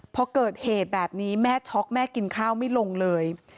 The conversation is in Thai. พอเกิดเหตุแบบนี้แม่ช็อกแม่กินข้าวไม่ลงเลย